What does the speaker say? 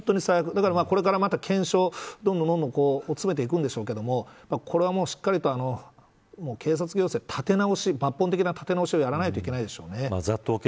だから、これからまた検証をどんどん詰めていくんでしょうけどこれは、しっかりと警察行政立て直し抜本的な立て直しをやらなきゃいけないでしょうね。